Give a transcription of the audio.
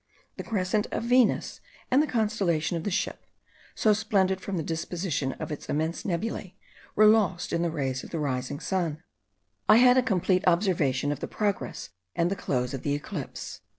The crescent of Venus, and the constellation of the Ship, so splendid from the disposition of its immense nebulae, were lost in the rays of the rising sun. I had a complete observation of the progress and the close of the eclipse.